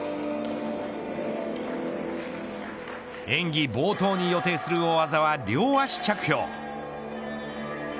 演技冒頭に予定する大技は両足着氷。